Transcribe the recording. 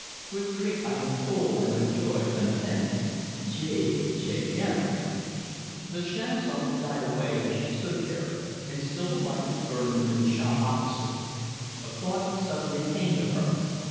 With drink I am full and with joy content, Gai, gaiment!" The chanson died away as she stood there, and still the light was burning in the shop opposite. A thought suddenly came to her.